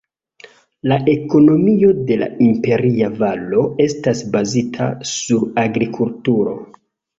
La ekonomio de la Imperia Valo estas bazita sur agrikulturo.